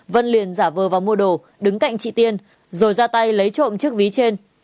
vân liền giả vờ vào mua đồ đứng cạnh chị tiên rồi ra tay lấy trộm chiếc ví trên